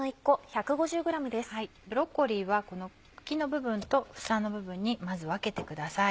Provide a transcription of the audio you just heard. ブロッコリーはこの茎の部分と房の部分に分けてください。